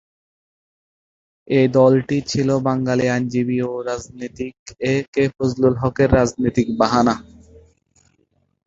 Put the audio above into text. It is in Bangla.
এই দলটি ছিল বাঙালি আইনজীবী ও রাজনীতিবিদ এ কে ফজলুল হকের রাজনৈতিক বাহন।